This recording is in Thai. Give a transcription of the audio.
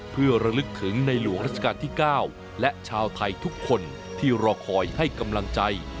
เพื่อระลึกถึงในหลวงราชการที่๙และชาวไทยทุกคนที่รอคอยให้กำลังใจ